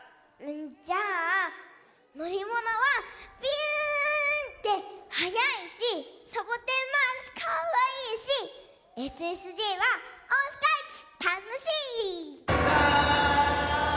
じゃあのりものはピューンってはやいしサボテンマウスかわいいしＳＳＪはおおさかいちたのしい！ガーン！